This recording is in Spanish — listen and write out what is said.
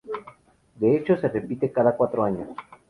Este hecho se repite cada cuatro años.